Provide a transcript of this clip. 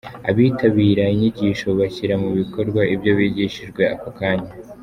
Abitabira inyigisho bashyira mu bikorwa ibyo bigishijwe ako kanya.